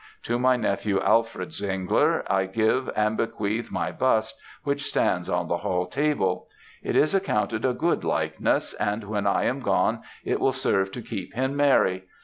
To my nephew, Alfred Zwengler, I give and bequeath my bust, which stands on the hall table. It is accounted a good likeness, and when I am gone, it will serve to keep him merry.